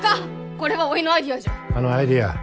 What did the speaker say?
これはおいのアイデアじゃあのアイデア